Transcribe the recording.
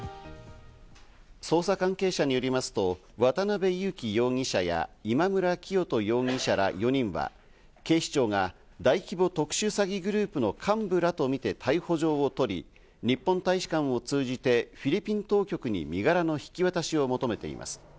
捜査関係者によりますと渡辺優樹容疑者や、今村磨人容疑者ら４人は、警視庁が大規模特集詐欺グループの幹部らとみて逮捕状を取り、日本大使館を通じてフィリピン当局に身柄の引き渡しを求めています。